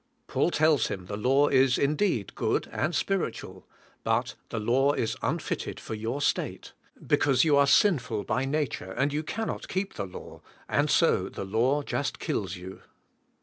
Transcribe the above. Paul tells him the law is indeed good and spiritual; but the law is unfitted for your state, be cause you are sinful by nature and you cannot keep the law, and so the law just kills you.